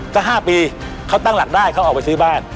ก็๕ปีเขาตั้งหลักได้เขาออกไปซื้อบ้าน